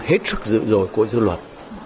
hết sức dự rồi của dư luật